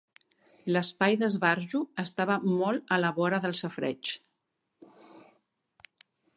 L'espai d'esbarjo estava molt a la vora del safareig.